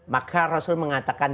maka rasul mengatakan